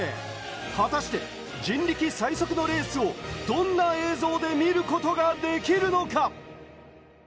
果たして人力最速のレースをどんな映像で見ることができるのか！